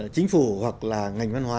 chính phủ hoặc là ngành văn hóa